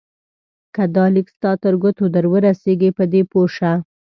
که دا لیک ستا تر ګوتو درورسېږي په دې پوه شه.